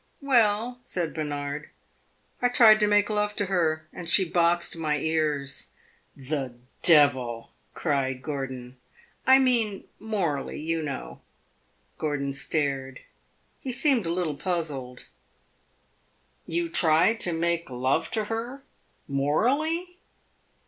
"Well," said Bernard, "I tried to make love to her and she boxed my ears." "The devil!" cried Gordon. "I mean morally, you know." Gordon stared; he seemed a little puzzled. "You tried to make love to her morally?"